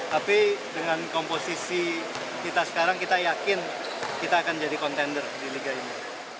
tapi dengan komposisi kita sekarang kita yakin kita akan jadi kontender di liga ini